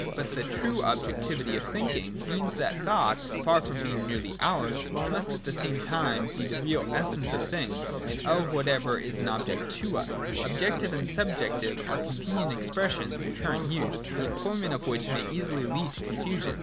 But the true objectivity of thinking means that the thoughts, far from being merely ours, must at the same time be the real essence of the things, and of whatever is an object to us. Objective and subjective are convenient expressions in current use, the employment of which may easily lead to confusion.